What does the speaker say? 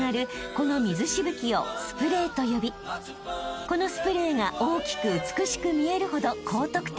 この水しぶきを「スプレー」と呼びこのスプレーが大きく美しく見えるほど高得点に］